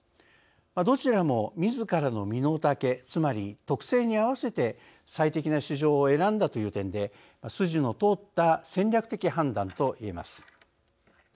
どちらも、みずからの身の丈つまり、特性にあわせて最適な市場を選んだという点で筋の通った戦略的判断といえます。